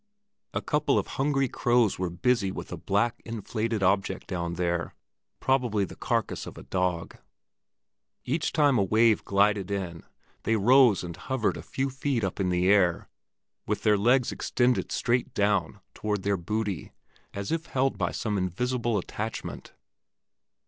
A couple of hungry crows were busy with a black, inflated object down there, probably the carcass of a dog. Each time a wave glided in, they rose and hovered a few feet up in the air with their legs extended straight down toward their booty, as if held by some invisible attachment.